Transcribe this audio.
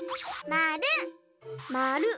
まる。